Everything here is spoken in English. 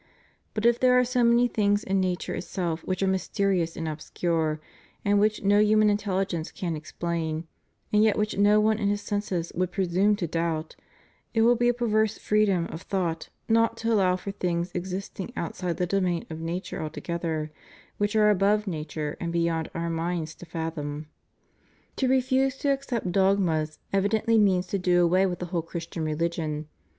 But if there are 60 many things in nature itself which are mysterious and obscure, and which no human intelligence can explain, and yet which no one in his senses would presume to doubt, it will be a perverse freedom of thought not to allow for things existing outside the domain of nature altogether, which are above nature, and beyond our minds to fathom. To refuse to accept dogmas evidently means to do away with the whole Christian religion.